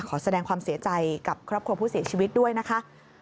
ขอแสดงความเสียใจกับครอบครัวผู้เสียชีวิตด้วยนะคะ